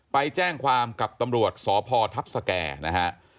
ไปแจ้งความกับตำรวจสพทัพสแก่นะฮะ